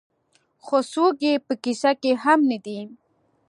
خو څوک یې په کيسه کې هم نه دي.